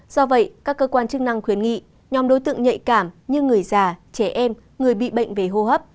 do vậy các cơ quan chức năng khuyến nghị nhóm đối tượng nhạy cảm như người già trẻ em người bị bệnh về hô hấp